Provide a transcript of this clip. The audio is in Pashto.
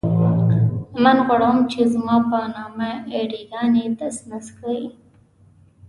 لمن غوړوم چې زما په نامه اې ډي ګانې تس نس کړئ.